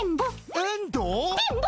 「エンド？」